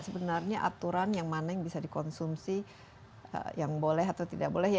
sebenarnya aturan yang mana yang bisa dikonsumsi yang boleh atau tidak boleh